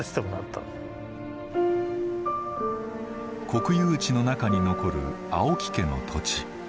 国有地の中に残る青木家の土地。